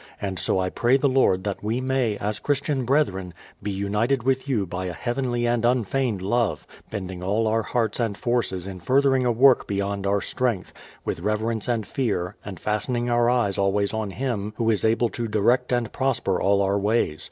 And so I pray the Lord that we may, as Christian brethren, be united with you by a heavenly and unfeigned love; bending all our hearts and forces in furthering a work beyond our strength, with reverence and fear, and fastening our eyes always on Him Who is able to direct and prosper all our ways.